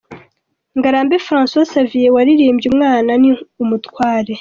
Ngarambe Francois Xavier waririmbye ’Umwana ni Umutware’.